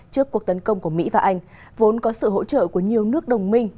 trước cuộc tấn công của mỹ và anh vốn có sự hỗ trợ của nhiều nước đồng minh